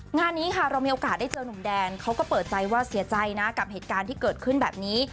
งานนี้ค่ะเรามีโอกาสได้เจอหนุ่มแดนเขาก็เปิดใจว่าเสียใจนะกับเหตุการณ์ที่เกิดขึ้นแบบนี้